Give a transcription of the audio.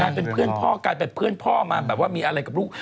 เป็นเพื่อนพ่อกลายเป็นเพื่อนพ่อมาแบบว่ามีอะไรกับลูก